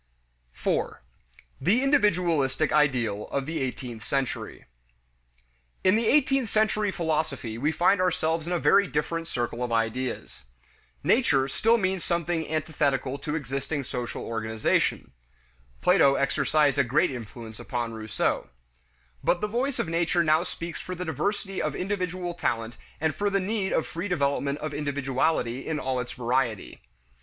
4. The "Individualistic" Ideal of the Eighteenth Century. In the eighteenth century philosophy we find ourselves in a very different circle of ideas. "Nature" still means something antithetical to existing social organization; Plato exercised a great influence upon Rousseau. But the voice of nature now speaks for the diversity of individual talent and for the need of free development of individuality in all its variety.